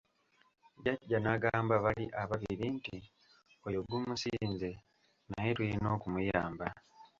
Jjaja n'agamba bali ababiri nti, oyo gumusinze, naye tuyina okumuyamba.